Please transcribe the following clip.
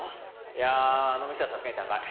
いやあの店はさすがに高い。